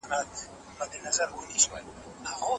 په سړه هوا کې ګرمې جامې واغوندئ.